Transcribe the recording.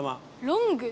ロング。